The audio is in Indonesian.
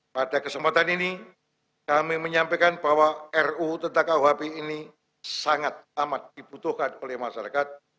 pada kesempatan ini kami menyampaikan bahwa ruu tentang kuhp ini sangat amat dibutuhkan oleh masyarakat